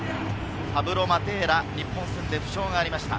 パブロ・マテーラが日本戦で負傷がありました。